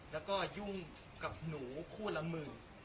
แล้วก็ยุ่งกับหนูคู่ละหมื่น